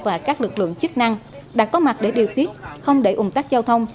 và các lực lượng chức năng đã có mặt để điều tiết không để ủng tắc giao thông